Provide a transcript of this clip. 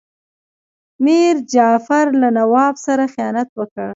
میر جعفر له نواب سره خیانت وکړ.